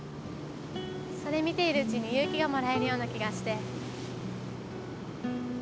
それ見ているうちに勇気がもらえるような気がして。